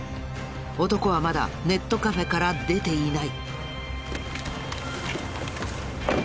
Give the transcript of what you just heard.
男はまだネットカフェから出ていない。